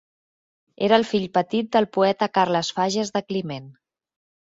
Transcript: Era el fill petit del poeta Carles Fages de Climent.